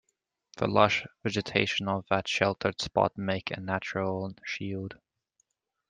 The lush vegetation of that sheltered spot make a natural shield.